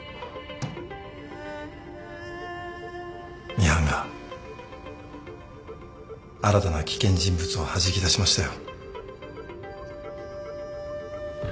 ミハンが新たな危険人物をはじき出しましたよ。